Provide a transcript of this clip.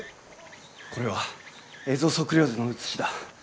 これは蝦夷測量図の写しだ。